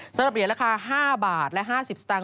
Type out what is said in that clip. สำหรับเหรียญราคา๕บาทและ๕๐สตางค